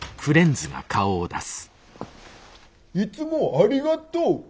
いつもありがとう。